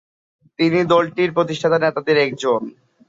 তিনি দলটির প্রতিষ্ঠাতা নেতাদের একজন।